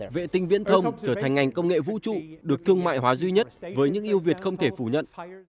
vệ tinh viễn thông trở thành ngành công nghệ vũ trụ được thương mại hóa duy nhất với những yêu việt không thể phủ nhận